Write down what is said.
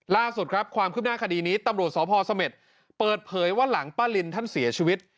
ล่าสุดครับความคืบหน้าคดีนี้ตำรวจสพเสม็ดเปิดเผยว่าหลังป้าลินท่านเสียชีวิต